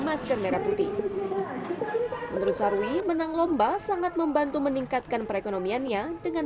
masker merah putih menurut sarwi menang lomba sangat membantu meningkatkan perekonomiannya dengan